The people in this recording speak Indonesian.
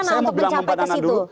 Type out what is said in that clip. saya mau bilang kepada anak dulu